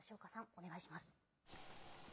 お願いします。